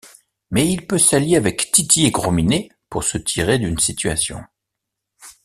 Mais il peut s'allier avec Titi et Grosminet pour se tirer d'une situation.